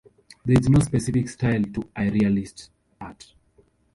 There is no specific style to Irrealist Art.